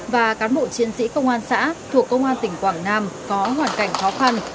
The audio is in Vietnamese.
và cán bộ chiến sĩ công an xã thuộc công an tỉnh quảng nam có hoàn cảnh khó khăn